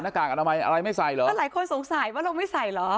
กากอนามัยอะไรไม่ใส่เหรอก็หลายคนสงสัยว่าเราไม่ใส่เหรอ